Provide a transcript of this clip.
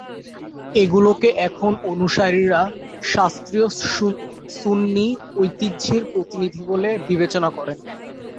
এগুলোকে এর অনুসারীরা শাস্ত্রীয় সুন্নি ঐতিহ্যের প্রতিনিধি বলে বিবেচনা করে।